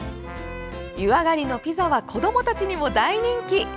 湯上がりのピザは子どもたちにも大人気！